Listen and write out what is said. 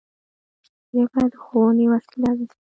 ژبه د ښوونې وسیله ده